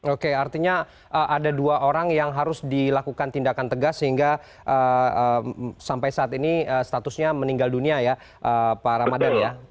oke artinya ada dua orang yang harus dilakukan tindakan tegas sehingga sampai saat ini statusnya meninggal dunia ya pak ramadan ya